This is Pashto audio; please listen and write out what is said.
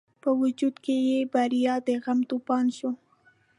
په وجود کې یې برپا د غم توپان شو.